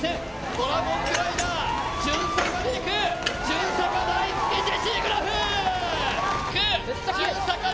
ドラゴングライダー、順逆でいく順逆大好きジェシー・グラフ！